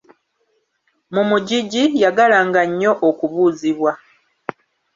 Mu mugigi yagalanga nnyo okubuuzibwa.